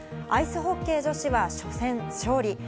アイスホッケー女子は初戦勝利。